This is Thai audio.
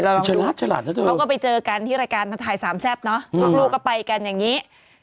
เราลองดูเขาก็ไปเจอกันที่รายการถ่ายสามแซ่บเนาะลูกลูกกับไปกันอย่างงี้